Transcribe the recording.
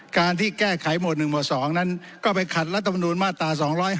การที่แก้ไขหมวด๑หมวด๒นั้นก็ไปขัดรัฐมนุนมาตรา๒๕๖